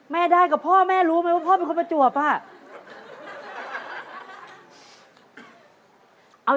แม่ได้กับพ่อแม่รู้ไหมว่าพ่อเป็นคนประจวบอ่ะ